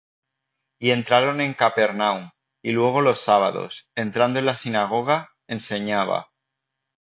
Y entraron en Capernaum; y luego los sábados, entrando en la sinagoga, enseñaba.